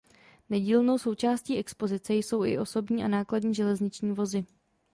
Nedílnou součástí expozice jsou i osobní a nákladní železniční vozy.